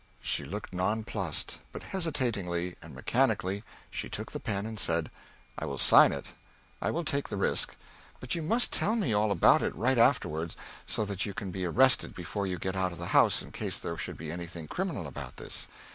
She looked nonplussed; but hesitatingly and mechanically she took the pen and said: "I will sign it. I will take the risk. But you must tell me all about it, right afterward, so that you can be arrested before you get out of the house in case there should be anything criminal about this."